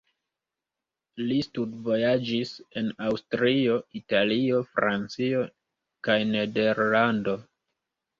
Li studvojaĝis en Aŭstrio, Italio, Francio kaj Nederlando.